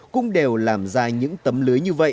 cũng đều làm ra những tấm lưới như vậy